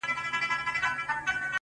• زما او د پښتونخوا د سترګو تور منظور,